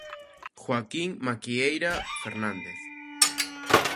Joaquín Maquieira Fernández.